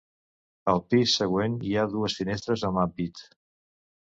Al pis següent hi ha dues finestres amb ampit.